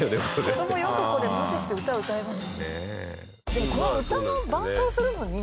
子どもよくこれ無視して歌歌えますよね。